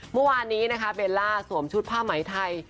เมื่อวานนี้นะคะเบลล่าสวมชุดผ้าไหมไทย